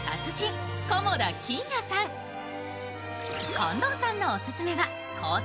近藤さんのオススメはコース